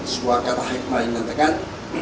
sebuah kata hikmah yang dendamkan